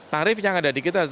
tarif yang ada di kita